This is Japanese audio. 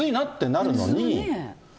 なるのに。